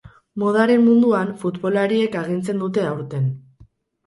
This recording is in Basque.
Modaren munduan futbolariek agintzen dute aurten.